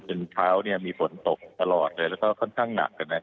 เช้ามีฝนตกตลอดเลยแล้วก็ค่อนข้างหนัก